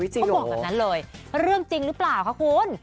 จริงหรอเพราะบอกตอนนั้นเลยเรื่องจริงหรือเปล่าคะคุณ